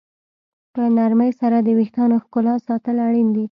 په نرمۍ سره د ویښتانو ښکلا ساتل اړین دي.